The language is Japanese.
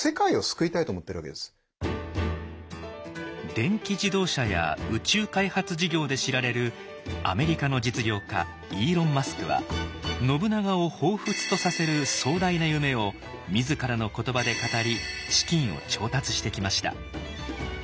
電気自動車や宇宙開発事業で知られるアメリカの実業家イーロン・マスクは信長をほうふつとさせる壮大な夢を自らの言葉で語り資金を調達してきました。